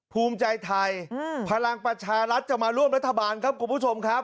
ภูมิใจไทยพลังประชารัฐจะมาร่วมรัฐบาลครับคุณผู้ชมครับ